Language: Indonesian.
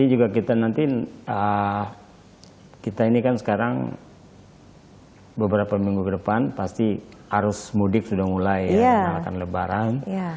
ini juga kita nanti kita ini kan sekarang beberapa minggu ke depan pasti arus mudik sudah mulai mengenalkan lebaran